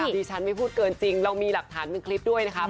ดิฉันไม่พูดเกินจริงเรามีหลักฐานเป็นคลิปด้วยนะครับ